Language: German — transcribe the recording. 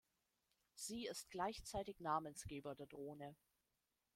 Sie ist gleichzeitig Namensgeber der Drohne.